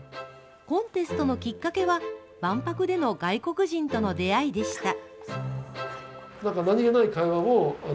コンテストのきっかけは、万博での外国人との出会いでした。